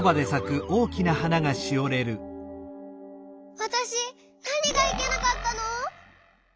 わたしなにがいけなかったの！？